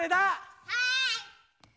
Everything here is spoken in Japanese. はい！